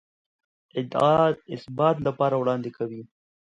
ادعا اثبات لپاره وړاندې کوي.